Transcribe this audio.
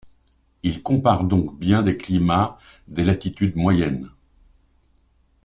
Il compare donc bien des climats des latitudes moyennes.